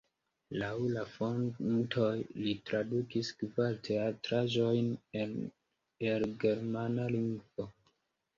Laŭ la fontoj li tradukis kvar teatraĵojn el germana lingvo.